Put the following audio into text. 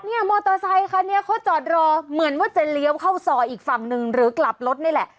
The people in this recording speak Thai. มอเตอร์ไซคันนี้เขาจอดรอเหมือนว่าจะเลี้ยวเข้าซอยอีกฝั่งหนึ่งหรือกลับรถนี่แหละ